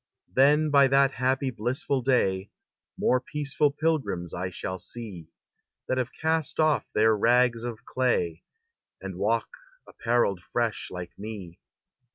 Then by that happy, blissful day, More peaceful pilgrims I shall see, That have cast off their rags of clay, And walk apparelled fresh like me.